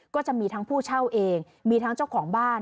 ก็จะมีทั้งผู้เช่าเองมีทั้งเจ้าของบ้าน